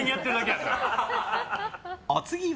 お次は。